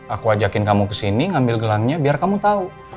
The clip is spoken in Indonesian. aku ajakin kamu kesini ngambil gelangnya biar kamu tahu